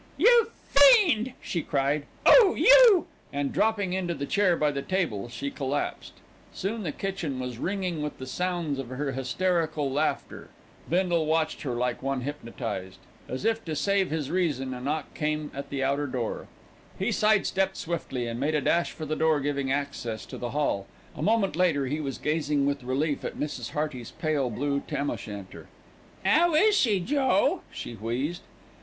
"You fiend!" she cried. "Oh, you !" and dropping into the chair by the table she collapsed. Soon the kitchen was ringing with the sounds of her hysterical laughter. Bindle watched her like one hypnotised. As if to save his reason, a knock came at the outer door. He side stepped swiftly and made a dash for the door giving access to the hall. A moment later he was gazing with relief at Mrs. Hearty's pale blue tam o' shanter. "'Ow is she, Joe?" she wheezed.